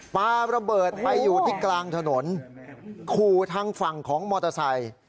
ปลาระเบิดไปอยู่ที่กลางถนนขู่ทางฝั่งของมอเตอร์ไซค์